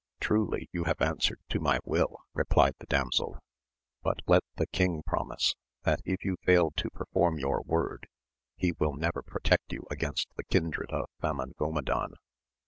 Truly you have answered to my will, replied the damsel ; but let the king promise, that if you fail to perform your word he will never protect you against the kindred of Famongo madan.